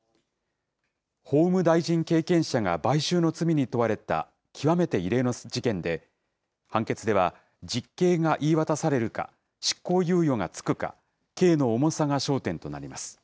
法務大臣経験者が買収の罪に問われた極めて異例の事件で、判決では、実刑が言い渡されるか、執行猶予が付くか、刑の重さが焦点となります。